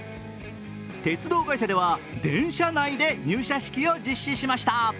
鉄道会社では、電車内で入社式を実施しました。